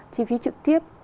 chi phí trực tiếp